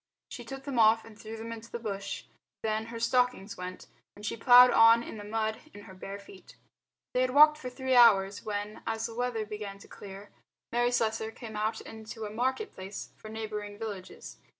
She took them off and threw them into the bush; then her stockings went, and she ploughed on in the mud in her bare feet. They had walked for three hours when, as the weather began to clear, Mary Slessor came out into a market place for neighbouring villages.